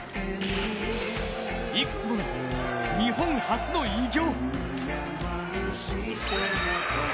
いくつもの日本初の偉業。